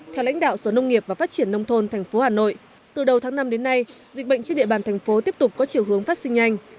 theo lãnh đạo sở nông nghiệp và phát triển nông thôn tp hà nội từ đầu tháng năm đến nay dịch bệnh trên địa bàn thành phố tiếp tục có chiều hướng phát sinh nhanh